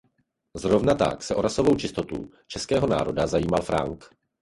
Zrovna tak se o „rasovou čistotu“ českého národa zajímal Frank.